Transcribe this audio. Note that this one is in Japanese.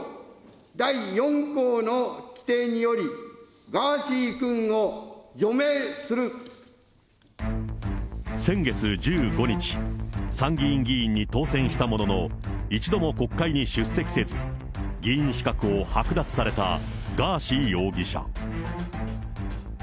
第４項の規定により、先月１５日、参議院議員に当選したものの、一度も国会に出席せず、議員資格を剥奪されたガーシー容疑者。